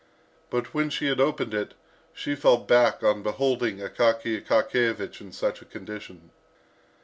But when she had opened it, she fell back on beholding Akaky Akakiyevich in such a condition.